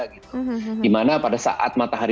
gimana pada saat matahari